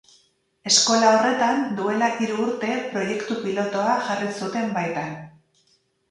Eskola horretan, duela hiru urte, proiektu pilotoa jarri zuten baitan.